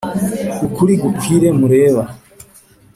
ukuri gukwire mureba